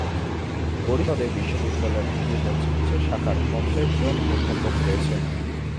পরিষদে বিশ্ববিদ্যালয়ের বিভিন্ন চিকিৎসা শাখার পঞ্চাশ জন অধ্যাপক রয়েছেন।